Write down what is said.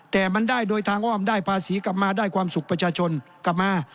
แต่มันได้โดยทางอ้อมได้ภาษีกลับมาได้ความสุขประชาชนกลับมา